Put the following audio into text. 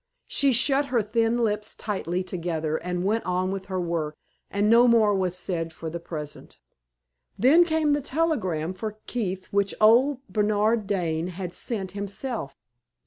She shut her thin lips tightly together and went on with her work, and no more was said for the present. Then came the telegram for Keith which old Bernard Dane had sent himself.